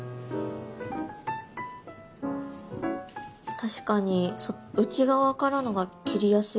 確かに内側からのが切りやすいですね。